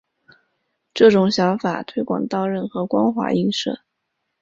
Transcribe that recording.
这种想法推广到任何光滑映射。